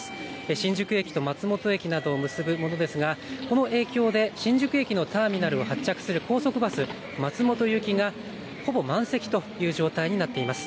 新宿駅と松本駅などを結ぶものですが、この影響で新宿駅のターミナルを発着する高速バス、松本行きがほぼ満席という状態になっています。